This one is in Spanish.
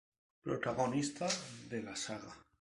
Protagonista de la saga.